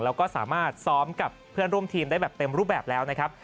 แล้วก็สามารถซ้อมกับเพื่อนร่วมทีมได้แบบเต็มรูปแบบแล้วนะครับ